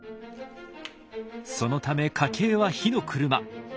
そのため家計は火の車。